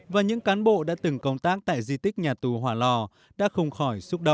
và những cán bộ đã từng công tác tại di tích nhà tù hòa lò